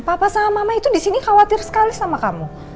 papa sama mama itu disini khawatir sekali sama kamu